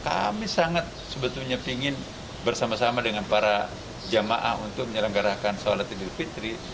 kami sangat sebetulnya ingin bersama sama dengan para jamaah untuk menyelenggarakan sholat idul fitri